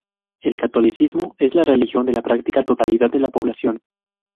El catolicismo es la religión de la práctica totalidad de la población.